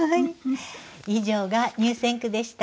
以上が入選句でした。